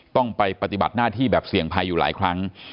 ต้องไปปฏิบัติหน้าที่แบบเสี่ยงภัยอยู่หลายครั้ง